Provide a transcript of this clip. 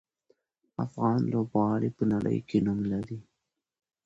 افغان لوبغاړي په نړۍ کې نوم لري.